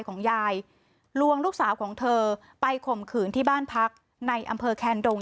ของยายลวงลูกสาวของเธอไปข่มขืนที่บ้านพักในอำเภอแคนดง